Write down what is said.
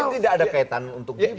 tidak ada kaitan untuk gibran ya